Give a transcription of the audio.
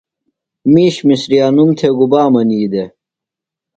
مِیش مِسریانوم تھےۡ گُبا منی دےۡ؟